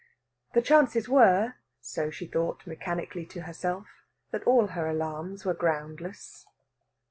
The chances were, so she thought mechanically to herself, that all her alarms were groundless.